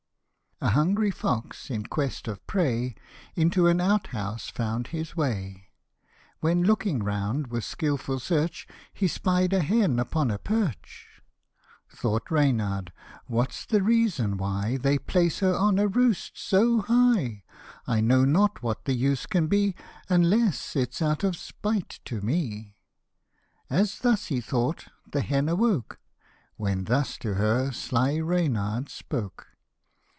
A HUNGRY fox, in quest of prey, Into an out house found his way. When looking round with skilful search, He 'spied a hen upon a perch. Thought Reynard, "What's the reason why They place her on a roost so high ? I know not what the use can be, Unless it's out of spite to me." As thus he thought, the hen awoke, When thus to her sly Reynard spoke.